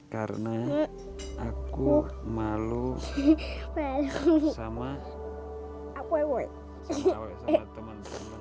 karena aku malu sama teman teman